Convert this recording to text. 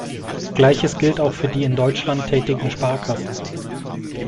Gleiches gilt auch für die in Deutschland tätigen Sparkassen.